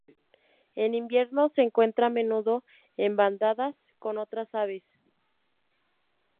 En invierno se encuentra a menudo en bandadas con otras aves.